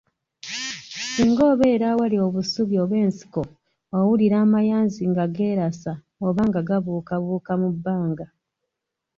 Singa obeera awali obusubi oba ensiko owulira amayanzi nga geerasa oba nga gabuukabuuka mu bbanga.